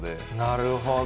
なるほど。